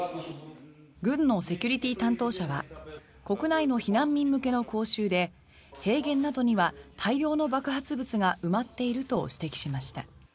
軍のセキュリティー担当者は国内の避難民向けの講習で平原などには大量の爆発物が埋まっていると指摘しました。